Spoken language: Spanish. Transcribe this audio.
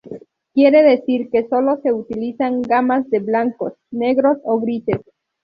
Quiere decir que sólo se utilizan gamas de blancos, negros o grises.